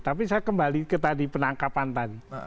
tapi saya kembali ke tadi penangkapan tadi